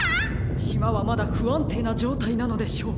しまはまだふあんていなじょうたいなのでしょう。